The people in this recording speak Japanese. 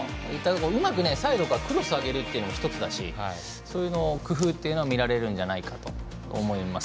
うまくサイドからクロスを上げるというのも１つだしその工夫というのも見られるんじゃないかと思います。